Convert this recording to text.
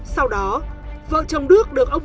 sau đó vợ chồng đức được ông nguyễn đình đương đồng ý